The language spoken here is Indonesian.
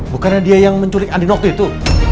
bukannya dia yang menculik andin waktu itu